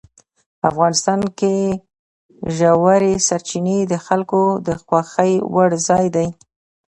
افغانستان کې ژورې سرچینې د خلکو د خوښې وړ ځای دی.